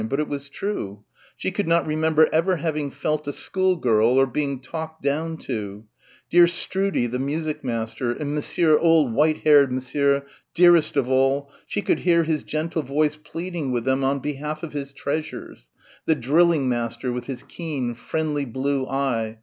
But it was true she could not remember ever having felt a schoolgirl ... or being "talked down" to ... dear Stroodie, the music master, and Monsieur old white haired Monsieur, dearest of all, she could hear his gentle voice pleading with them on behalf of his treasures ... the drilling master with his keen, friendly blue eye